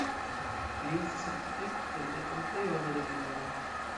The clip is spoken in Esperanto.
Li estis arkitekto de Panteono de Parizo.